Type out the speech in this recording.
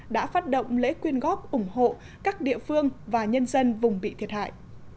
đã phát động lễ quyên góp ủng hộ các địa phương và nhân dân vùng bị thiệt hại